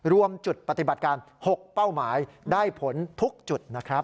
รวมจุดปฏิบัติการ๖เป้าหมายได้ผลทุกจุดนะครับ